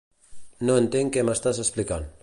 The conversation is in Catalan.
No entenc què m'estàs explicant.